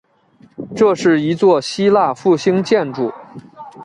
这是一座希腊复兴建筑。